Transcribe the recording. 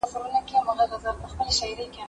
پلان جوړ کړه؟